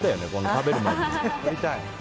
食べる前に。